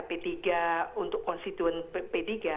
b tiga untuk konstituen b tiga